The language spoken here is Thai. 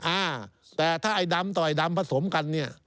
อ่าแต่ถ้าไอ้ดำต่อยดำผสมกันเนี่ย